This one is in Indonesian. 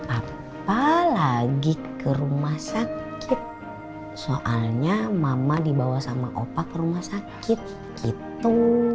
apa lagi ke rumah sakit soalnya mama dibawa sama opa ke rumah sakit gitu